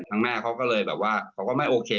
ทางแม่เขาก็เลยแบบว่าไม่โอเค